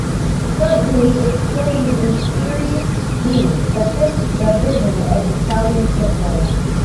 Currently it plays in Serie D, the fifth division of Italian football.